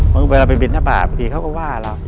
เวลาไปบินทบาทบางทีเขาก็ว่าเรา